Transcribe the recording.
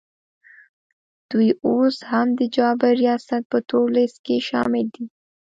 دوی اوس هم د جابر ریاست په تور لیست کي شامل دي